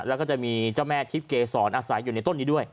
แล้วก็จะมีเจ้าแม่ทิพย์เกษรอาศัยอยู่ในต้นนี้ด้วย